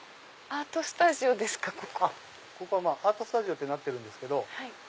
アートスタジオってなってるんですけど